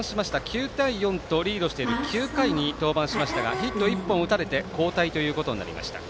９対４とリードしている９回に登板しましたがヒット１本打たれて交代ということになりました。